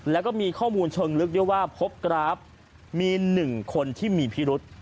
แล้วก็มีข้อมูลเชิงลึกด้วยว่าพบกราฟมี๑คนที่มีพิรุษ